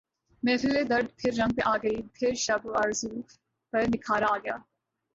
محفل درد پھر رنگ پر آ گئی پھر شب آرزو پر نکھار آ گیا